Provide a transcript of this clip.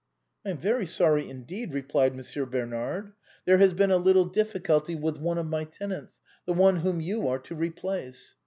"I am very sorry indeed," replied Monsieur Bernard; "there has been a little diflfioulty with one of my tenants, the one whom you are to replace."